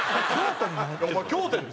お前京都やん。